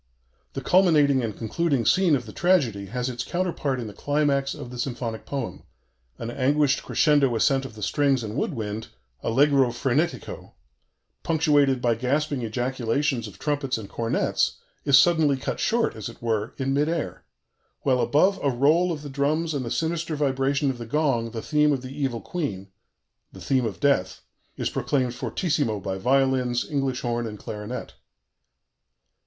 The culminating and concluding scene of the tragedy has its counterpart in the climax of the symphonic poem: an anguished crescendo ascent of the strings and wood wind, allegro frenetico, punctuated by gasping ejaculations of trumpets and cornets, is suddenly cut short, as it were, in mid air, while above a roll of the drums and the sinister vibration of the gong the theme of the Evil Queen the theme of Death is proclaimed fortissimo by violins, English horn, and clarinet.